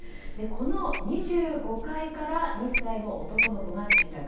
この２５階から２歳の男の子が転落。